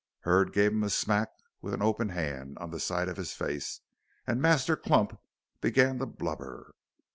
Hurd gave him a smack with an open hand on the side of his face, and Master Clump began to blubber.